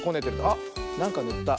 あっなんかぬった。